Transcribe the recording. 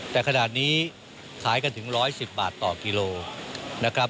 แต่ขนาดนี้ขายกันถึง๑๑๐บาทต่อกิโลนะครับ